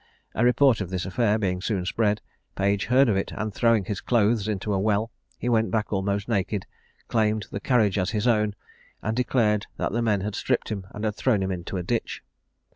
A report of this affair being soon spread, Page heard of it, and throwing his clothes into a well, he went back almost naked, claimed the carriage as his own, and declared that the men had stripped him, and thrown him into a ditch.